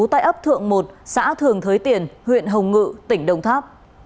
tại ấp thượng một xã thường thới tiền huyện hồng ngự tỉnh đồng tháp